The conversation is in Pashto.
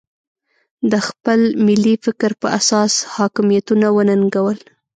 د خپل ملي فکر په اساس حاکمیتونه وننګول.